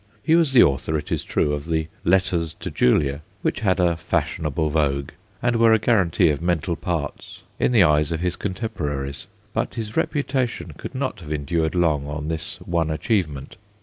He was the author, it is true, of the Letters to Julia, which had a fashionable vogue, and were a guarantee of mental parts in the eyes of his contemporaries, but his reputation could not have endured long on this one achievement.